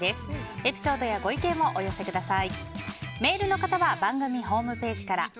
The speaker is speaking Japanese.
エピソードやご意見をお寄せください。